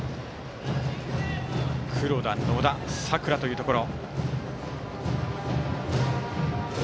黒田、野田佐倉というところ。